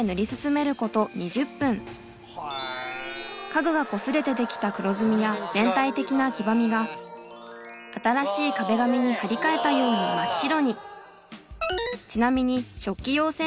家具がこすれてできた黒ずみや全体的な黄ばみが新しい壁紙に張り替えたようにちなみにその後も